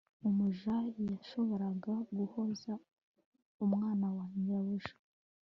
umuja yashoboraga guhoza umwana wa nyirabuja